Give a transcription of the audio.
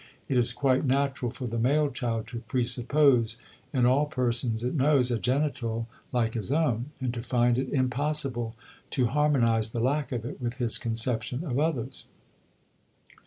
It is quite natural for the male child to presuppose in all persons it knows a genital like his own, and to find it impossible to harmonize the lack of it with his conception of others.